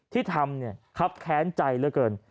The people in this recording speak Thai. ที่ทำเนี่ยครับแค้นใจเหลือเกิน